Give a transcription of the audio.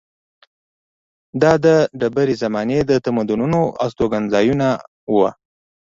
دا د ډبرې زمانې د تمدنونو استوګنځایونه وو.